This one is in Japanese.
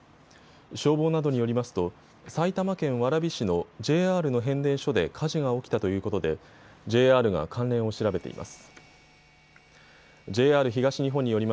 消防などによりますと埼玉県蕨市のＪＲの変電所で火事が起きたということでＪＲが関連を調べています。